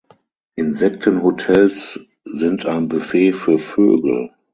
Insektenhotels sind ein Buffet für Vögel.